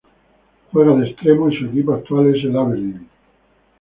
Juega de Extremo y su equipo actual es el Aberdeen.